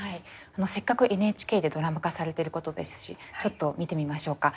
せっかくＮＨＫでドラマ化されてることですしちょっと見てみましょうか。